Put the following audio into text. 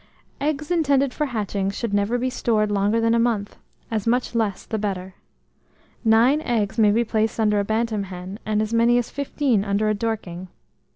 Eggs intended for hatching should never be stored longer than a month, as much less the better. Nine eggs may be placed under a Bantam hen, and as many as fifteen under a Dorking.